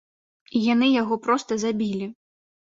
І яны яго проста забілі.